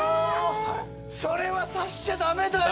それはさせちゃダメだよ